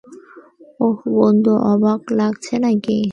ওহ বন্ধু, অবাক লাগছে নাকি?